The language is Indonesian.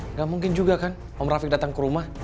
nggak mungkin juga kan om rafiq datang ke rumah